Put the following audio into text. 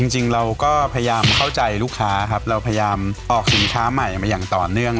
จริงเราก็พยายามเข้าใจลูกค้าครับเราพยายามออกสินค้าใหม่มาอย่างต่อเนื่อง